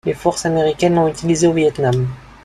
Les forces américaines l'ont utilisé au Vietnam.